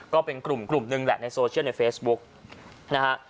กลุ่มนึงแหละในโซเชียลในเฟซบุ๊คนะฮะ